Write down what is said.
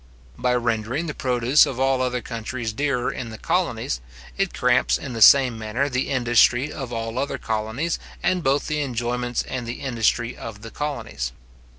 By rendering the produce of all other countries dearer in the colonies, it cramps in the same manner the industry of all other colonies, and both the enjoyments and the industry of the colonies.